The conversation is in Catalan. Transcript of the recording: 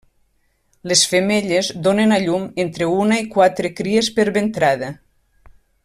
Les femelles donen a llum entre una i quatre cries per ventrada.